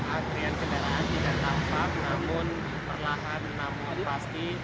akhirnya kendaraan tidak tampak namun perlahan lahan pasti